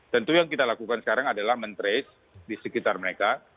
tentu yang kita lakukan sekarang adalah men trace di sekitar mereka